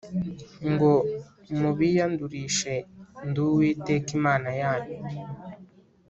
ngo mubiyandurishe Ndi Uwiteka Imana yanyu